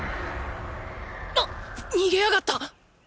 あっ⁉逃げやがった！